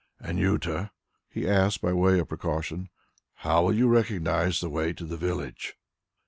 "Anjuta," he asked by way of precaution, "how will you recognize the way to the village?"